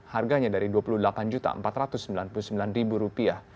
harganya dari dua puluh delapan empat ratus sembilan puluh sembilan rupiah